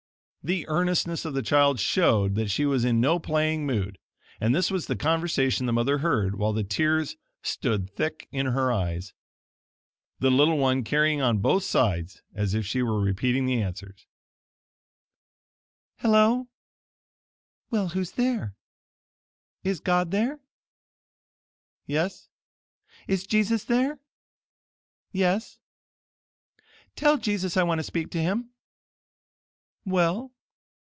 The earnestness of the child showed that she was in no playing mood, and this was the conversation the mother heard, while the tears stood thick in her eyes; the little one carrying on both sides, as if she were repeating the answers: "Hello." "Well, who's there?" "Is God there?" "Yes." "Is Jesus there?" "Yes." "Tell Jesus I want to speak to him." "Well?"